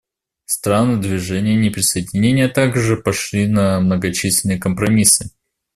Страны Движения неприсоединения также пошли на многочисленные компромиссы.